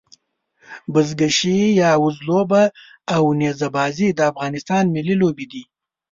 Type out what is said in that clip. بزکشي يا وزلوبه او نيزه بازي د افغانستان ملي لوبي دي.